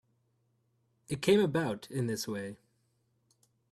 It came about in this way.